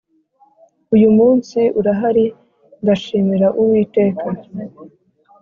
uyu munsi urahari, ndashimira uwiteka.